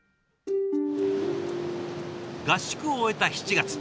合宿を終えた７月。